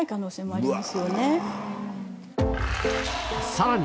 さらに